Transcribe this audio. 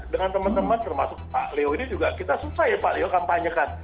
dengan teman teman termasuk pak leo ini juga kita susah ya pak leo kampanye kan